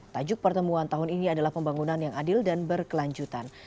tajuk pertemuan tahun ini adalah pembangunan yang adil dan berkelanjutan